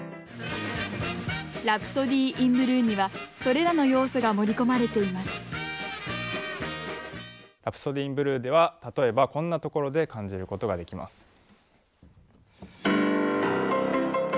「ラプソディー・イン・ブルー」にはそれらの要素が盛り込まれています「ラプソディー・イン・ブルー」では例えばこんなところで感じることができます。